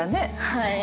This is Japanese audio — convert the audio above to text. はい。